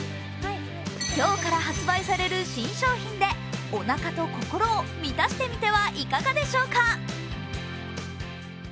今日から発売される新商品でおなかと心を満たしてみてはいかがでしょうか。